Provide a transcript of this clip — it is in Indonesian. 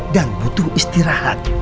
dan butuh istirahat